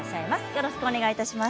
よろしくお願いします。